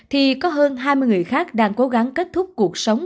thì có hơn hai mươi người khác đang cố gắng kết thúc cuộc sống